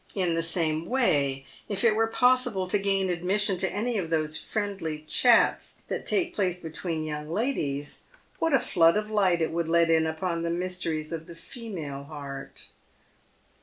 In the same way, if it were possible to gain admission to any of those friendly chats that take place between young ladies, what a flood of light it would let in upon the mysteries of the female heart.